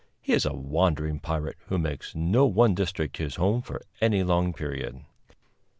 He is a wandering pirate, who makes no one district his home for any long period.